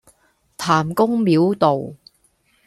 譚公廟道